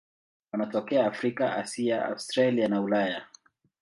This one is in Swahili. Wanatokea Afrika, Asia, Australia na Ulaya.